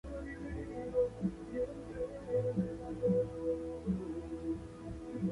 Históricamente los Redskins han sido el rival más importante para los Cowboys.